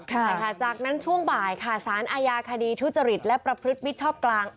ใช่ค่ะจากนั้นช่วงบ่ายค่ะสารอาญาคดีทุจริตและประพฤติมิชชอบกลาง